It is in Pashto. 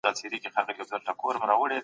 هیڅوک نسوای کولای چي د کلیسا پر ضد خبري وکړي.